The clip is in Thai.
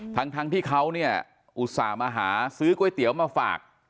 ทั้งที่เขาเนี่ยอุตส่าห์มาหาซื้อก๋วยเตี๋ยวมาฝาก